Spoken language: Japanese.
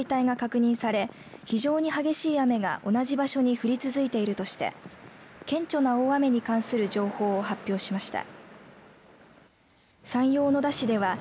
気象庁は昨夜、遅く山口県に線状降水帯が確認され非常に激しい雨が同じ場所に降り続いているとして顕著な大雨に関する情報を発表しました。